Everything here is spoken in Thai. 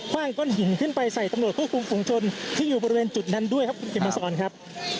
ว่างก้อนหินขึ้นไปใส่ตำรวจควบคุมฝุงชนที่อยู่บริเวณจุดนั้นด้วยครับคุณเขียนมาสอนครับ